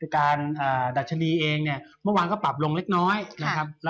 การดัชนีเองเนี่ยเมื่อวานก็ปรับลงเล็กน้อยนะครับ